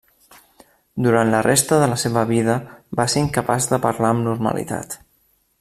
Durant la resta de la seva vida va ser incapaç de parlar amb normalitat.